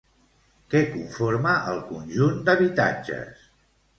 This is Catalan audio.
Què conforma el conjunt d'habitatges?